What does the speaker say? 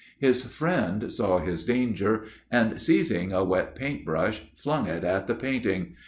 His friend saw his danger, and, seizing a wet paint brush, flung it at the painting.